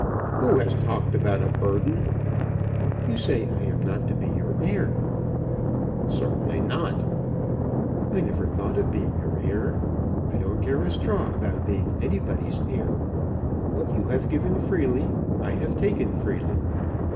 "Who has talked about a burden?" "You say I am not to be your heir?" "Certainly not." "I never thought of being your heir. I don't care a straw about being anybody's heir. What you have given freely, I have taken freely.